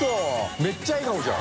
めっちゃ笑顔じゃん。